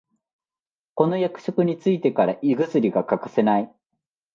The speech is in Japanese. この役職についてから胃薬が欠かせない